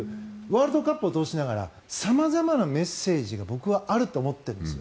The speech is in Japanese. ワールドカップを通しながら様々なメッセージが僕はあると思っているんです。